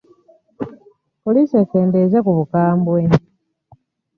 Poliisi ekendeeze ku bukabwe.